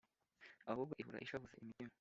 Ahubwo ihora ishavuza imitima